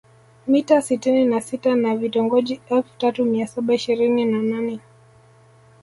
Mitaa sitini na sita na Vitongoji elfu tatu mia saba ishirini na nane